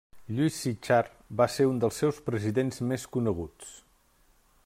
Lluís Sitjar va ser un dels seus presidents més coneguts.